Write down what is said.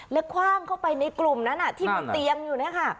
แล้วคว่างเข้าไปในกลุ่มนั้นที่มันเตียงอยู่เนี่ยค่ะ